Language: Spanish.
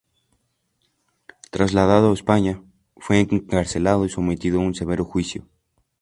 Trasladado a España, fue encarcelado y sometido a un severo juicio.